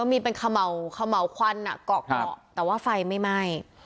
มีเป็นขะเมาขะเมาควันอ่ะกรอกกรอกแต่ว่าไฟไม่ไหม้